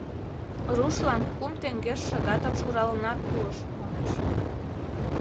Рушлан кум теҥгеш шагатым шуралынат пуыш, манеш.